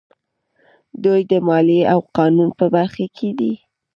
دوی د مالیې او قانون په برخه کې دي.